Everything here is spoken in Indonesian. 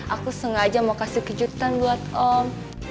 aku sengaja mau kasih kejutan buat om